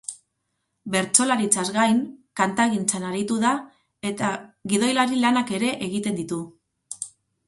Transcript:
Bertsolaritzaz gain, kantagintzan aritu da eta gidoilari lanak ere egiten ditu.